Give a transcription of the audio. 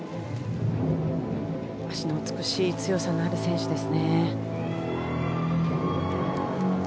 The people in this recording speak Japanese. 脚の美しい強さのある選手です。